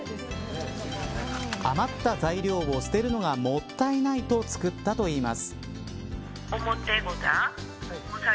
余った材料を捨てるのがもったいないと作ったといいます。